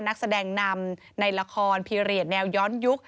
นักแสดงนำในละครพีเรียสแนวย้อนยุค